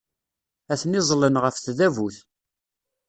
Atni ẓẓlen ɣef tdabut.